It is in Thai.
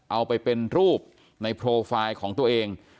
เอาไปเป็นรูปในโปรไฟล์ของตัวเอง